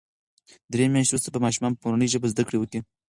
درې میاشتې وروسته به ماشومان په مورنۍ ژبه زده کړه کوي.